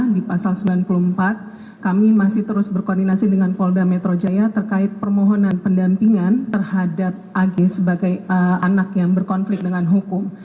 di pasal sembilan puluh empat kami masih terus berkoordinasi dengan polda metro jaya terkait permohonan pendampingan terhadap ag sebagai anak yang berkonflik dengan hukum